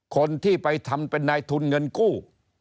คนที่ไปทำเป็นนายทุนเงินกู้